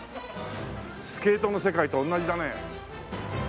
スケートの世界と同じだね。